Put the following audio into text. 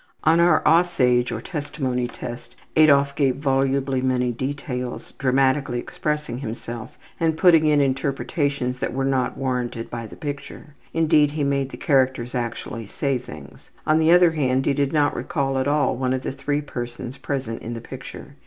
On our ``Aussage'' or Testimony Test Adolf gave volubly many details, dramatically expressing himself and putting in interpretations that were not warranted by the picture. Indeed, he made the characters actually say things. On the other hand, he did not recall at all one of the three persons present in the picture.